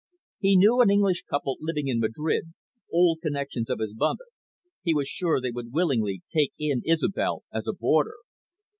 He knew an English couple living in Madrid, old connections of his mother; he was sure they would willingly take in Isobel as a boarder.